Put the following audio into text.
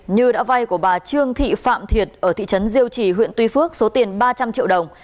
như đã vay của bà trương thị phạm thiệt ở thị trấn diêu trì huyện tuy phước số tiền ba trăm linh triệu đồng